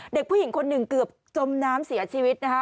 เด็กผู้หญิงคนหนึ่งเกือบจมน้ำเสียชีวิตนะคะ